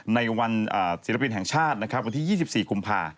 ในวันศิลปินแห่งชาตินะครับวันที่๒๔กุมภา